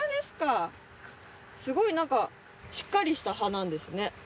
すごいなんかしっかりした葉なんですね。